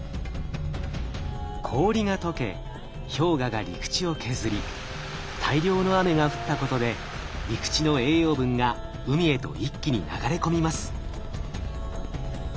氷が解け氷河が陸地を削り大量の雨が降ったことで陸地の栄養分が海へと一気に流れ込みます。